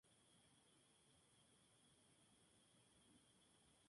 Los servicios portuarios son hoy la principal actividad económica.